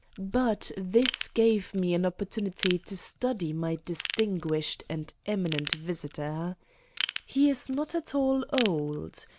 . but this gave me an opportunity to study my distinguished and eminent visitor. He is not at all old.